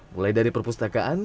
mulai dari perpustakaan kantin hingga